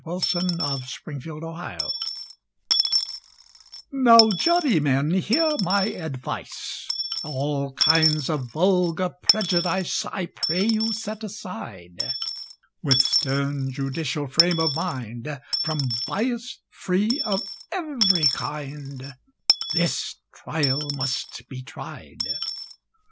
Fal la! THE USHER'S CHARGE NOW, Jurymen, hear my advice— All kinds of vulgar prejudice I pray you set aside: With stern judicial frame of mind— From bias free of every kind, This trial must be tried!